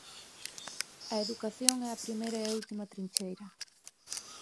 A educación é a primeira e a última trincheira.